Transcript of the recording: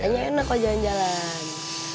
hanya enak kalau jalan jalan